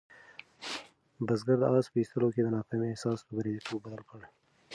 بزګر د آس په ایستلو کې د ناکامۍ احساس په بریالیتوب بدل کړ.